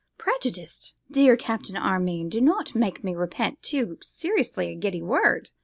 'Prejudiced! Dear Captain Armine, do not make me repent too seriously a giddy word.